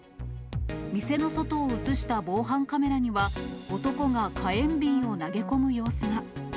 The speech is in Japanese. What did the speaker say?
店の外を写した防犯カメラには、男が火炎瓶を投げ込む様子が。